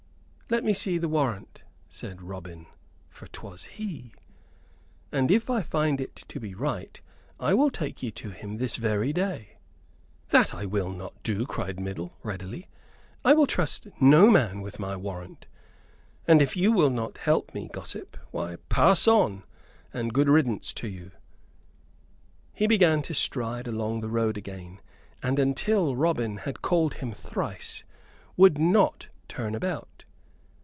"Let me see the warrant," said Robin, for 'twas he, "and if I find it to be right I will take you to him this very day." "That I will not do," cried Middle, readily, "I will trust no man with my warrant; and if you will not help me, gossip, why, pass on and good riddance to you." He began to stride along the road again, and until Robin had called him thrice would not turn about.